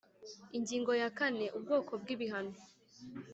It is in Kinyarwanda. Ingingo ya kane Ubwoko bw ibihano